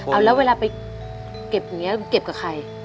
เอาแล้วเวลาไปเก็บอย่างนี้เก็บกับใคร